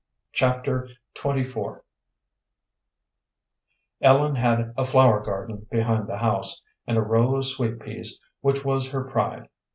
Chapter XXIV Ellen had a flower garden behind the house, and a row of sweet peas which was her pride.